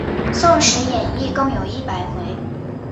宋史演义共有一百回。